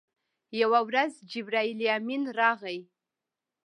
یوه ورځ جبرائیل امین راغی.